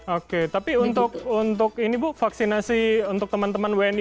oke tapi untuk ini bu vaksinasi untuk teman teman wni